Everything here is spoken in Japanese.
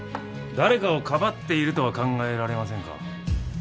誰かをかばっているとは考えられませんか？